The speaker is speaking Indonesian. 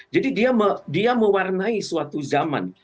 jadi dia mewarnai suatu zaman